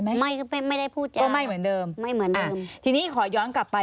ไม่ไม่ไม่ได้พูดแจ้งก็ไม่เหมือนเดิมไม่เหมือนเดิมทีนี้ขอย้อนกลับไป